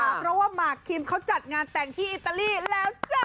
เพราะว่ามาคริมพิมเซาะเขาจัดงานแต่งในอิตาลีแล้วจ้า